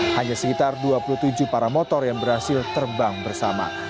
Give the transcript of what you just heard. hanya sekitar dua puluh tujuh para motor yang berhasil terbang bersama